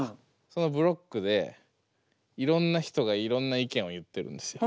そのブロックでいろんな人がいろんな意見を言ってるんですよ。